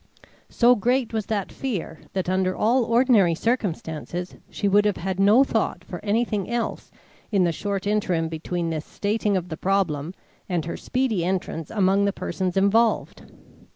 So great was that fear that under all ordinary circumstances she would have had no thought for anything else in the short interim between this stating of the problem and her speedy entrance among the persons involved.